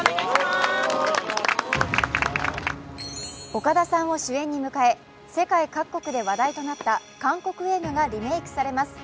岡田さんを主演に迎え、世界各国で話題となった韓国映画がリメークされます。